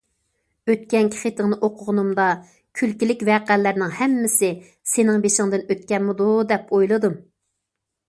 ئۆتكەنكى خېتىڭنى ئوقۇغىنىمدا، كۈلكىلىك ۋەقەلەرنىڭ ھەممىسى سېنىڭ بېشىڭدىن ئۆتكەنمىدۇ، دەپ ئويلىدىم.